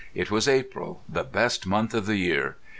It was April, the best month of the year.